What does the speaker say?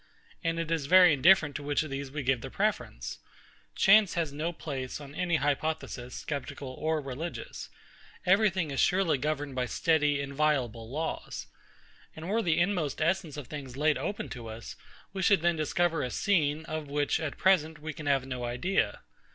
And it is very indifferent to which of these we give the preference. Chance has no place, on any hypothesis, sceptical or religious. Every thing is surely governed by steady, inviolable laws. And were the inmost essence of things laid open to us, we should then discover a scene, of which, at present, we can have no idea.